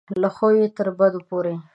له ښو یې تر بدو پورې.